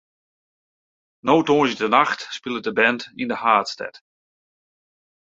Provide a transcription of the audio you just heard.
No tongersdeitenacht spilet de band yn de haadstêd.